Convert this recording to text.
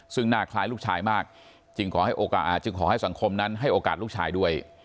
ซึ่งหน้าคล้ายลูกชายมากจึงขอให้สังคมนั้นให้โอกาสลูกชายด้วย